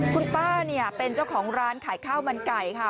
คุณป้าเนี่ยเป็นเจ้าของร้านขายข้าวมันไก่ค่ะ